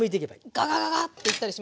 あのガガガガっていったりしません？